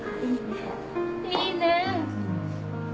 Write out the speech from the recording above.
いいねぇ。